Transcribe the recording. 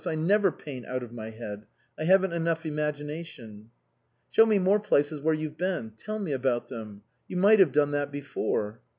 I never paint ' out of my head '; I haven't enough imagination." "Show me more places where you've been. Tell me about them. You might have done that before."